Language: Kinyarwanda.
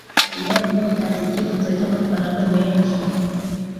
Umwarimu yatanze icyifuzo cyamafaranga menshi.